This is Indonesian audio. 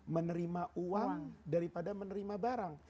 menerima uang daripada menerima barang